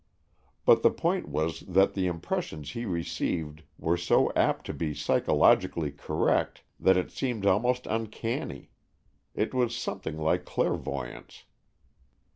But the point was that the impressions he received were so apt to be psychologically correct that it seemed almost uncanny. It was something like clairvoyance.